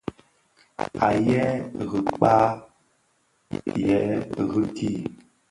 Aa yêê rikpaa, yêê rì kì.